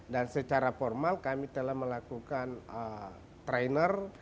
secara formal kami telah melakukan trainer